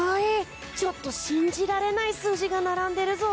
ちょっと信じられない数字が並んでるぞ。